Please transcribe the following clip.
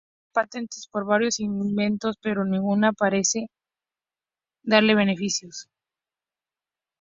Consigue patentes por varios inventos, pero ninguna parece darle beneficios.